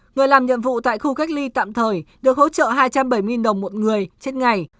người làm nhiệm vụ tại khu cách ly tạm thời được hỗ trợ hai trăm bảy mươi đồng một người trên ngày